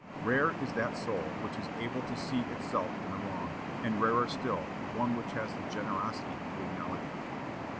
Rare is that soul which is able to see itself in the wrong, and rarer still one which has the generosity to acknowledge it.